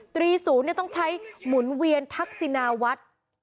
ตรีศูนย์ต้องใช้หมุนเวียนทักษินาวัด